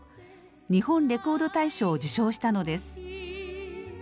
日本レコード大賞を受賞したのです。